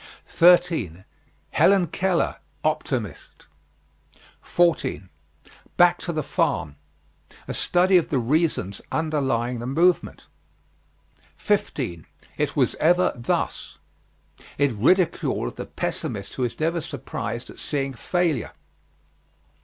13. HELEN KELLER: OPTIMIST. 14. BACK TO THE FARM. A study of the reasons underlying the movement. 15. IT WAS EVER THUS. In ridicule of the pessimist who is never surprised at seeing failure.